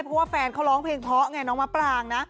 เพราะว่าแฟนเขาร้องเพลงเพราะไงน้องมะปรางนะ